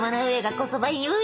こそばゆい？